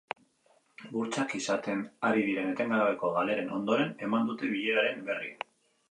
Burtsak izaten ari diren etengabeko galeren ondoren eman dute bileraren berri.